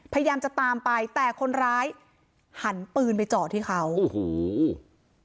พยายามจะตามไปแต่คนร้ายหันปืนไปเจาะที่เขาโอ้โห